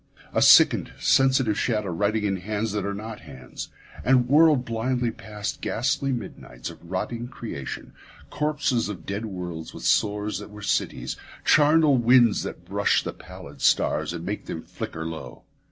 A sickened, sensitive shadow writhing in hands that are not hands, and whirled blindly past ghastly midnights of rotting creation, corpses of dead worlds with sores that were cities, charnel winds that brush the pallid stars and make them flicker low.